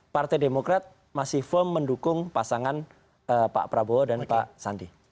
partai demokrat masih firm mendukung pasangan pak prabowo dan pak sandi